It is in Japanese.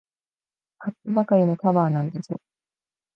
買ったばかりのカバーなんだぞ。